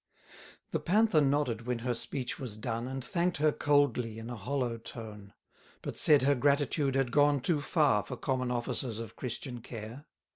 The Panther nodded when her speech was done, And thank'd her coldly in a hollow tone: But said her gratitude had gone too far For common offices of Christian care.